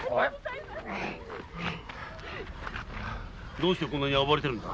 どうしてこんなに暴れてるんだ？